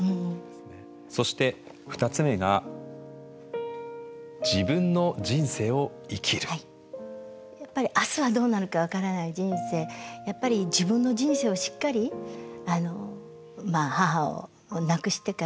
そして２つ目がやっぱり明日はどうなるか分からない人生やっぱり自分の人生をしっかりまあ母を亡くしてからまた見つめ直す。